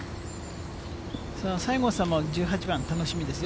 西郷さんも１８番、楽しみですよ。